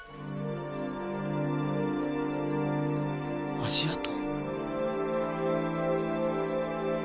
足跡？